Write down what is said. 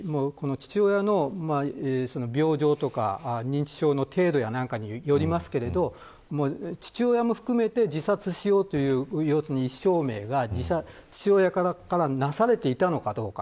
つまり、父親の病状とか認知症の程度か何かによりますが父親も含めて自殺しようという意思表明が父親からなされていたかどうか。